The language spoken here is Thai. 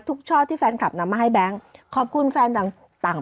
ช่อที่แฟนคลับนำมาให้แบงค์ขอบคุณแฟนต่างต่าง